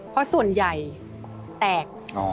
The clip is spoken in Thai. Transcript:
เพราะส่วนใหญ่แตก